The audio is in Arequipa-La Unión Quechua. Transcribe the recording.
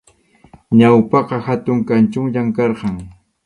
Ñawpaqqa hatun kanchunllam karqan.